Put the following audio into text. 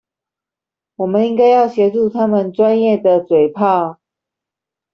我們應該要協助他們專業的嘴砲